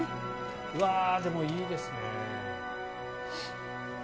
でも、いいですね。